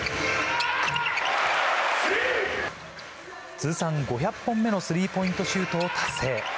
通算５００本目のスリーポイントシュートを達成。